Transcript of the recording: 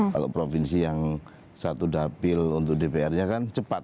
kalau provinsi yang satu dapil untuk dpr nya kan cepat